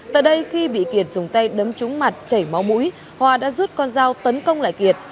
tại đây khi bị kiệt dùng tay đấm trúng mặt chảy máu mũi hòa đã rút con dao tấn công lại kiệt